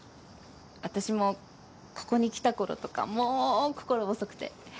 私もここに来た頃とかもう心細くて。